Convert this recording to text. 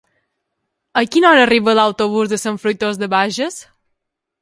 A quina hora arriba l'autobús de Sant Fruitós de Bages?